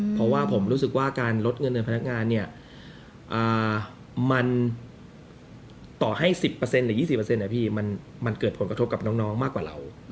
เพราะว่าผมรู้สึกว่าการลดเงินเดือนพนักงานเนี่ยมันต่อให้๑๐หรือ๒๐นะพี่มันเกิดผลกระทบกับน้องมากกว่าเรา